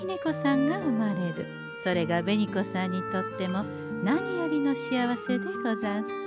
それが紅子さんにとっても何よりの幸せでござんす。